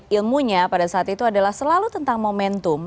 ilmunya pada saat itu adalah selalu tentang momentum